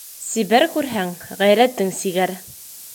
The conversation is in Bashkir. Сибәр - Күрһәң, ғәйрәтең сигәр.